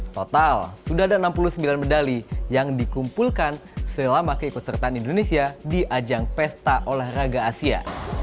total sudah ada enam puluh sembilan medali yang dikumpulkan selama keikutsertaan indonesia di ajang pesta olahraga asia